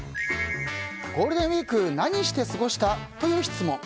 ゴールデンウィーク何して過ごした？という質問。